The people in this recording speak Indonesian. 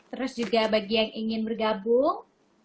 hai terus juga bagi yang ingin berbincang